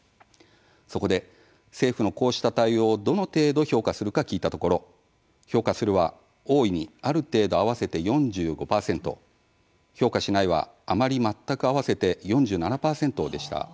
そこで、政府のこうした対応をどの程度評価するか聞いたところ「評価する」は大いに、ある程度合わせて４５％「評価しない」はあまり、全く合わせて４７％でした。